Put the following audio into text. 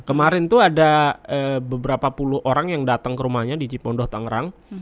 kemarin tuh ada beberapa puluh orang yang datang ke rumahnya di cipondoh tangerang